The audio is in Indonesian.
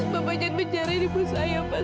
bapak jangan menjarahin ibu saya pak